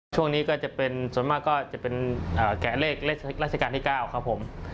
ช่วงนี้ก็จะเป็นส่วนมากก็จะเป็นแก่เลขราชการที่๙ครับผม